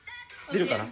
出るかな？